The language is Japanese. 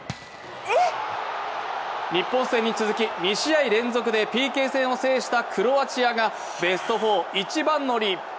日本戦に続き２試合連続でＰＫ戦を制したクロアチアがベスト４一番乗り。